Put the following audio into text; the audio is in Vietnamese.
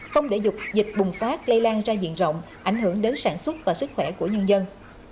không để dục dịch bùng phát lây lan ra diện rộng ảnh hưởng đến sản xuất và sức khỏe của nhân dân